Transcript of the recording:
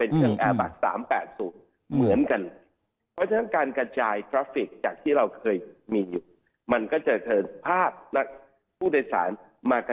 ที่เขาจะต้องมาลง